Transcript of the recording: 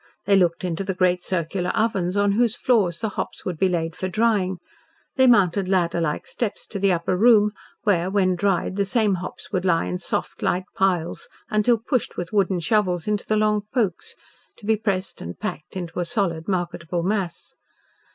They looked into the great circular ovens, on whose floors the hops would be laid for drying, they mounted ladder like steps to the upper room where, when dried, the same hops would lie in soft, light piles, until pushed with wooden shovels into the long "pokes" to be pressed and packed into a solid marketable mass.